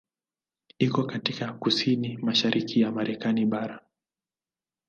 Iko katika kusini mashariki ya Marekani bara.